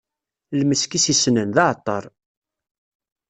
Lmesk i s-issnen, d aɛeṭṭaṛ.